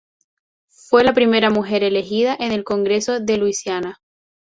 Fue la primera mujer elegida en el Congreso de Louisiana.